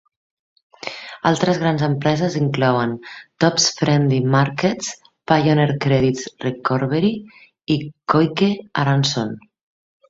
Altres grans empreses inclouen: Tops Friendly Markets, Pioneer Credit Recovery i Koike Aronson.